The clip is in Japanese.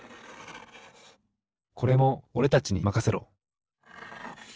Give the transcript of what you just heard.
これもおれたちにまかせろ！